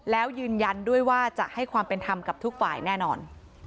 แล้วยืนยันด้วยว่าจะให้ความเป็นธรรมกับทุกฝ่ายแน่นอน